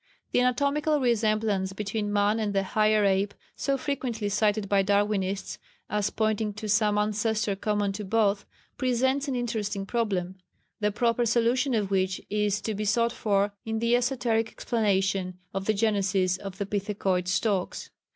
] The anatomical resemblance between Man and the higher Ape, so frequently cited by Darwinists as pointing to some ancestors common to both, presents an interesting problem, the proper solution of which is to be sought for in the esoteric explanation of the genesis of the pithecoid stocks.